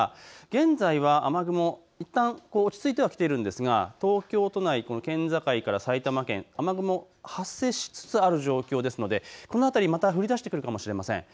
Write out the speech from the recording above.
現在は雨雲、いったん落ち着いてはきてるんですが東京都内、県境から埼玉県、雨雲が発生しつつある状況ですのでこの辺り、また降りだしてくるかもしれません。